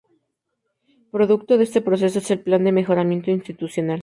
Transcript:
Producto de este proceso es el Plan de Mejoramiento Institucional.